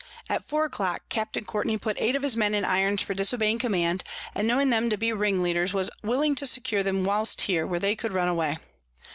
At four a clock Capt. Courtney put eight of his Men in Irons for disobeying Command; and knowing 'em to be Ringleaders, was willing to secure them whilst here, where they could run away.